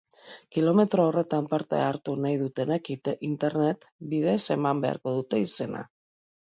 Kilometro horretan parte hartu nahi dutenek internet bidez eman beharko dute izena.